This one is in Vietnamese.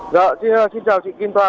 xin chào chị kim toan